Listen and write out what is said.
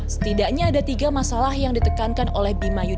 setidaknya ada tiga masalah yang ditekankan oleh